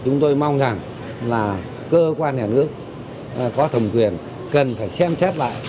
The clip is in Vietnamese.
chúng tôi mong rằng là cơ quan nhà nước có thầm quyền cần phải xem chép lại